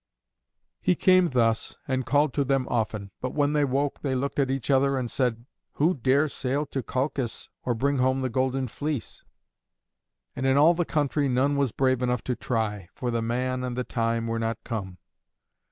He came thus, and called to them often, but when they woke they looked at each other and said, "Who dare sail to Colchis or bring home the Golden Fleece?" And in all the country none was brave enough to try, for the man and the time were not come.